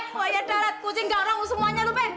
wah ya darat kucing garang semuanya lu ben